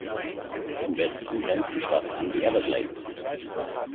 Im Westen grenzt die Stadt an die Everglades.